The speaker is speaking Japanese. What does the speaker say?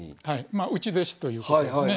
まあ内弟子ということですね。